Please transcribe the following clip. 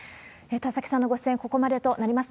田崎さんのご出演、ここまでとなります。